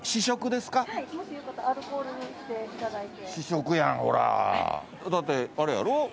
だってあれやろ？